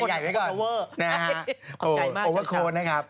ขอบใจมากฉันชอบ